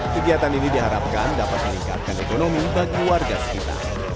kegiatan ini diharapkan dapat meningkatkan ekonomi bagi warga sekitar